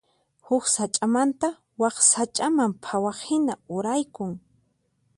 Huk sach'amanta wak sach'aman phawaqhina uraykun.